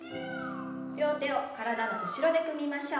両手を体の後ろで組みましょう。